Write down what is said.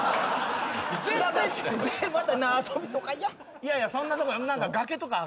いやいやそんなとこ。